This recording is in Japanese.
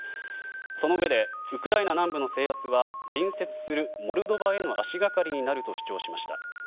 そのうえでウクライナ南部の制圧は隣接するモルドバへの足掛かりになると主張しました。